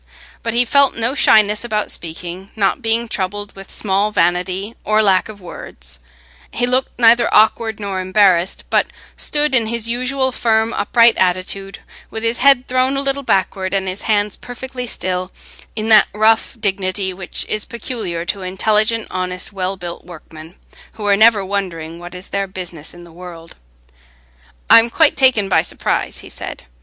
But he felt no shyness about speaking, not being troubled with small vanity or lack of words; he looked neither awkward nor embarrassed, but stood in his usual firm upright attitude, with his head thrown a little backward and his hands perfectly still, in that rough dignity which is peculiar to intelligent, honest, well built workmen, who are never wondering what is their business in the world. "I'm quite taken by surprise," he said.